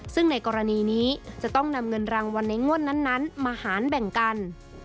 ซึ่งในกรณีนี้จะต้องนำเงินรางวัลในงวดนั้นมาหารแบ่งกัน